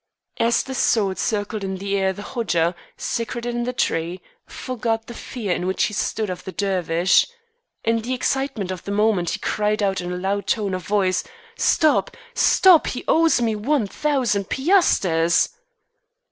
As the sword circled in the air the Hodja, secreted in the tree, forgot the fear in which he stood of the Dervish. In the excitement of the moment he cried out in a loud tone of voice: "Stop! Stop! He owes me one thousand piasters."